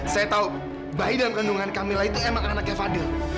saya tahu bayi dalam kandungan camillah itu emang anaknya fadil